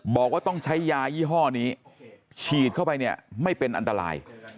บอกว่าต้องใช้ยายี่ห้อนี้ฉีดเข้าไปเนี่ยไม่เป็นอันตราย